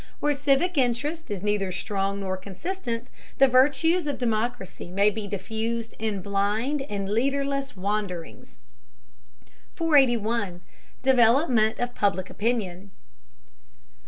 Where civic interest is neither strong nor consistent, the virtues of democracy may be diffused in blind and leaderless wanderings. 481. DEVELOPMENT OF PUBLIC OPINION.